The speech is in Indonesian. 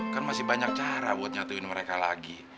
kan masih banyak cara buat nyatuin mereka lagi